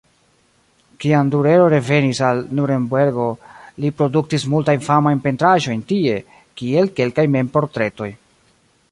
Kiam Durero revenis al Nurenbergo li produktis multajn famajn pentraĵojn tie, kiel kelkaj mem-portretoj.